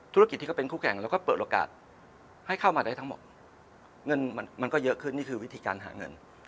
ธุรกิจที่เขาเป็นคู่แข่งแล้วก็เปิดโอกาสให้เข้ามาได้ทั้งหมดเงินมันก็เยอะขึ้นนี่คือวิธีการหาเงิน